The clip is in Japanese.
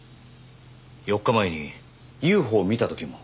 ４日前にＵＦＯを見た時も？